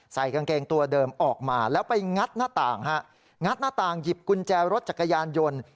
ใส่กางเกงตัวเดิมออกมาแล้วไปงัดหน้าต่างฮะงัดหน้าต่างหยิบกุญแจรถจักรยานยนต์